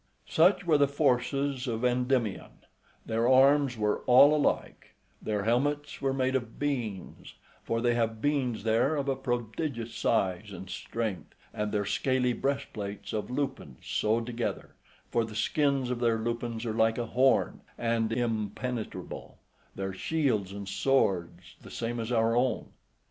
Such were the forces of Endymion; their arms were all alike; their helmets were made of beans, for they have beans there of a prodigious size and strength, and their scaly breast plates of lupines sewed together, for the skins of their lupines are like a horn, and impenetrable; their shields and swords the same as our own.